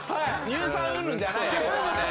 乳酸うんぬんじゃないね